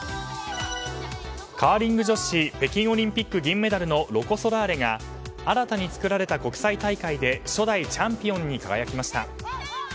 カーリング女子北京オリンピック銀メダルのロコ・ソラーレが新たに作られた国際大会で初代チャンピオンに輝きました。